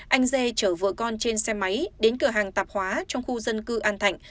anh d trở vợ con trên xe máy đến cửa hàng tạp hóa trong khu dân cư an thạnh